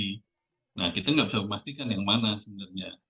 nah kita nggak bisa memastikan yang mana sebenarnya